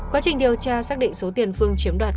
quá trình điều tra xác định số tiền phương chiếm đoạt